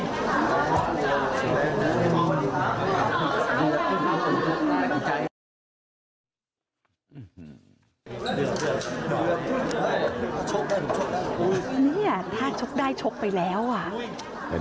เนี่ยถ้าชกได้ชกไปแล้วอ่ะ